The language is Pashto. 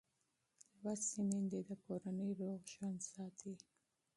لوستې میندې د کورنۍ روغ ژوند ساتي.